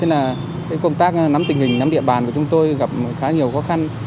nên là công tác nắm tình hình nắm địa bàn của chúng tôi gặp khá nhiều khó khăn